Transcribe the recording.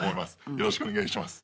よろしくお願いします。